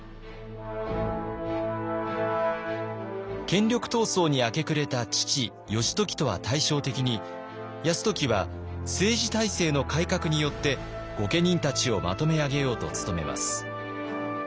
権力闘争に明け暮れた父義時とは対照的に泰時は政治体制の改革によって御家人たちをまとめ上げようと努めます。